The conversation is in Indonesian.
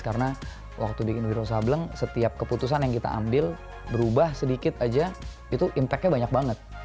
karena waktu di wiro sableng setiap keputusan yang kita ambil berubah sedikit saja itu impact nya banyak banget